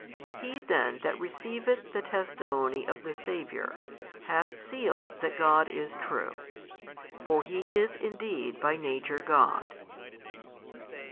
He then that receiveth the testimony of the Saviour hath sealed that God is true; for He is indeed by Nature God.